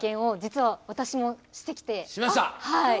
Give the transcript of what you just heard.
はい。